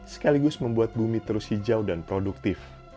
sekaligus membuat bumi terus hijau dan produktif